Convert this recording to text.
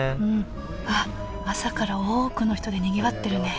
あっ朝から多くの人でにぎわってるね。